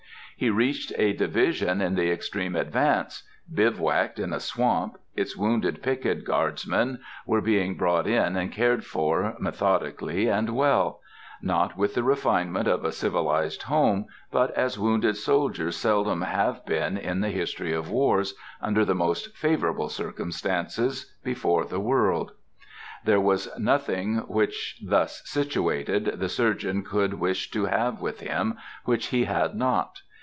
He reached a division in the extreme advance; bivouacked in a swamp, its wounded picket guardsmen were being brought in and cared for, methodically, and well; not with the refinement of a civilized home, but as wounded soldiers seldom have been in the history of wars, under the most favorable circumstances, before in the world. There was nothing which, thus situated, the surgeon could wish to have with him, which he had not.